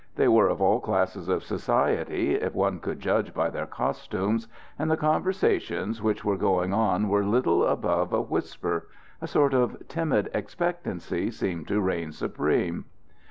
They were of all classes of society, if one could judge by their costumes, and the conversations which were going on were little above a whisper. A sort of timid expectancy seemed to reign supreme.